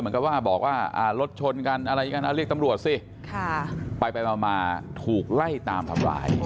เอาละเรียกตำรวจสิไปไปมาถูกไล่ตามหลาย